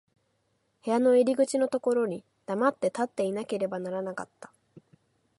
部屋の入口のところに黙って立っていなければならなかった。